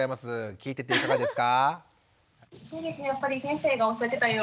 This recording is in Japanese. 聞いてていかがですか？